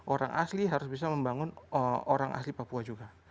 orang asli harus bisa membangun orang asli papua juga